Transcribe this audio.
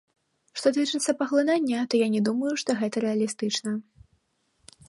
Што тычыцца паглынання, то я не думаю, што гэта рэалістычна.